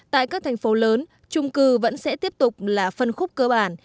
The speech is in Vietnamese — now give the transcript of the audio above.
tại các thành phố lớn trung cư vẫn sẽ tiếp tục là phân khúc cơ bản